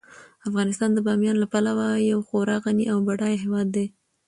افغانستان د بامیان له پلوه یو خورا غني او بډایه هیواد دی.